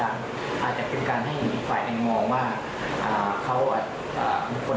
อาจจะเป็นการให้อีกฝ่ายแยงมองว่าเธอมีจัดจนาดีหรือไม่